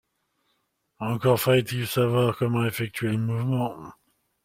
Encore fallait-il savoir comment effectuer le mouvement.